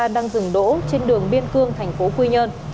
đang dừng đỗ trên đường biên cương tp quy nhơn